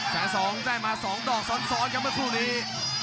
แชนสองได้มาสองดอกซ้อนครับเมื่อภูมินี้